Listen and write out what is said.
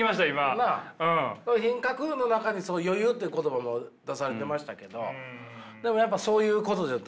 品格の中にそういう「余裕」という言葉も出されてましたけどでもやっぱそういうことだと。